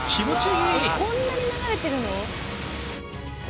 えっこんなに流れてるの？